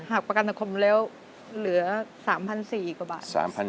หากประกันอาคมแล้วเหลือ๓๔๐๐กว่าบาท